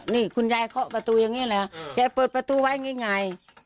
นี่คุณยายเขาประตูอย่างงี้แหละอืมแกเปิดประตูไว้ง่ายง่าย